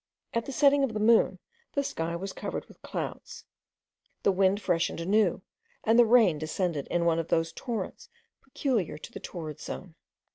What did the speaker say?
At the setting of the moon, the sky was covered with clouds, the wind freshened anew, and the rain descended in one of those torrents peculiar to the torrid zone.